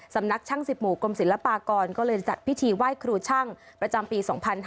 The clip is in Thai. สำนักช่าง๑๐หมู่กรมศิลปากรก็เลยจัดพิธีไหว้ครูช่างประจำปี๒๕๕๙